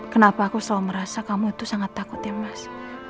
kenapa aku selalu merasa kamu itu sangat takut ya mas